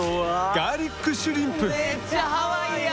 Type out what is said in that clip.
ガーリックシュリンプ！